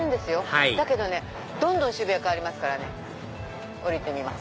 はいだけどねどんどん渋谷変わりますから降りてみます。